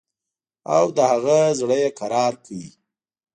او د هغه زړه یې کرار کړ.